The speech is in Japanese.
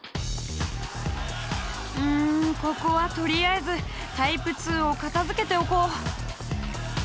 うんここはとりあえずタイプ２を片づけておこう。